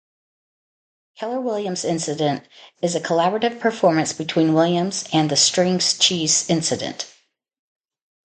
"Keller Williams Incident" is a collaborative performance between Williams and The String Cheese Incident.